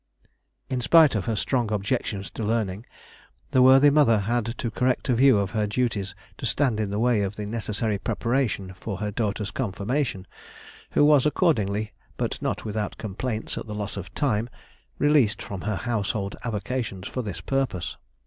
In spite of her strong objections to learning, the worthy mother had too correct a view of her duties to stand in the way of the necessary preparation for her daughter's confirmation, who was accordingly, but not without complaints at the loss of time, released from her household avocations for this purpose.